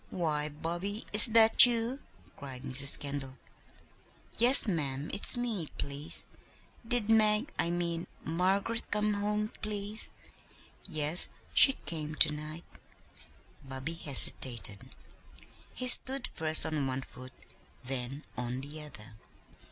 "Why, Bobby, is that you?" cried Mrs. Kendall. "Yes, ma'am, it's me, please. Did Mag I mean Margaret come home, please?" "Yes, she came to night." Bobby hesitated. He stood first on one foot, then on the other.